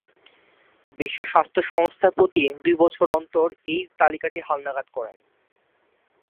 বিশ্ব স্বাস্থ্য সংস্থা প্রতি দুই বছর অন্তর এই তালিকাটি হালনাগাদ করেন।